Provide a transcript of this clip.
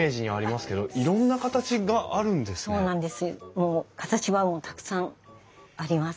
もう形はたくさんあります。